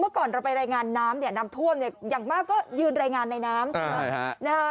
ก่อนเราไปรายงานน้ำเนี่ยน้ำท่วมเนี่ยอย่างมากก็ยืนรายงานในน้ำใช่ฮะนะฮะ